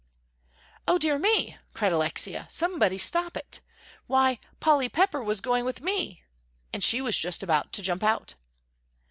"O dear me!" cried Alexia; "somebody stop it. Why, Polly Pepper was going with me," and she was just about to jump out.